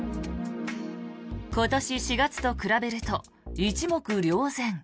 今年４月と比べると一目瞭然。